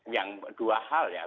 yang dua hal ya